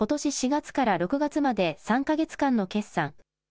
４月から６月まで３か月間の決算。